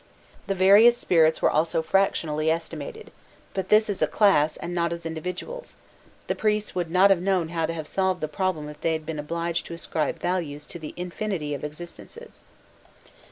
The various spirits were also fractionally estimated, but this as a class, and not as individuals: the priests would not have known how to have solved the problem if they had been obliged to ascribe values to the infinity of existences.